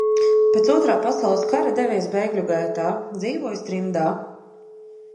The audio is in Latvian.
Pēc Otrā pasaules kara devies bēgļu gaitā, dzīvojis trimdā.